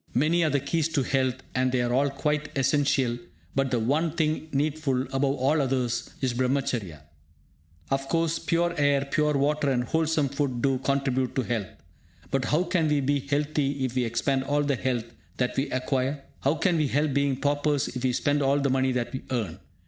Many are the keys to health, and they are all quite essential; but the one thing needful, above all others, is Brahmacharya. Of course, pure air, pure water, and wholesome food do contribute to health. But how can we be healthy if we expend all the health that we acquire? How can we help being paupers if we spend all the money that we earn?